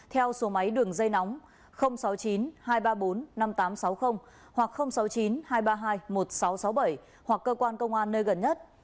theo số máy đường dây nóng sáu mươi chín hai trăm ba mươi bốn năm nghìn tám trăm sáu mươi hoặc sáu mươi chín hai trăm ba mươi hai một nghìn sáu trăm sáu mươi bảy hoặc cơ quan công an nơi gần nhất